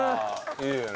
いいよね。